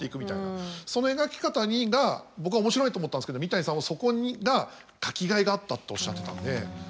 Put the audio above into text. その描き方が僕は面白いと思ったんですけど三谷さんはそこが書きがいがあったっておっしゃってたんで。